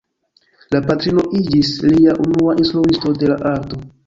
La patrino iĝis lia unua instruisto de la arto.